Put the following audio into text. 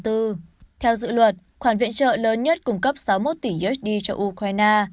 theo dự luật khoản viện trợ lớn nhất cung cấp sáu mươi một tỷ usd cho ukraine